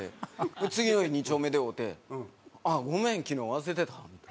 次の日２丁目で会うて「あっごめん昨日忘れてた」みたいな。